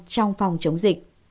trong phòng chống dịch